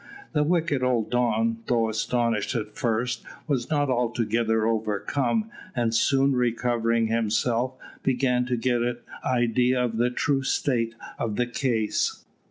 The wicked old Don, though astonished at first, was not altogether overcome, and soon recovering himself, began to get an idea of the true state of the case.